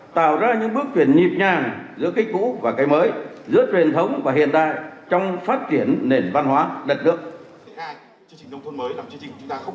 tạo ra những bước chuyển nhịp nhàng giữa cái cũ và cái mới giữa truyền thống và hiện đại trong phát triển nền văn hóa đất nước